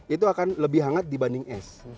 itu akan lebih hangat dibanding es